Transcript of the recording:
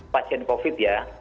pasien covid ya